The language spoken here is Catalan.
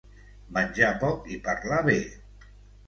Menjar poc i parlar bé.